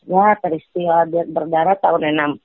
ya peristiwa biak berdarah tahun enam